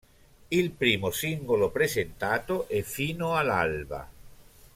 Il primo singolo presentato è "Fino all'alba".